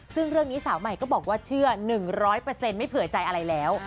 ซึ่งเรื่องนี้สาวใหม่ก็บอกว่าเชื่อ๑๐๐ไม่เผื่อใจอะไรแล้ว